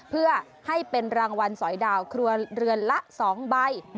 เพื่อให้เป็นรางวัลสอยดาวครัวเรือนละ๒ใบ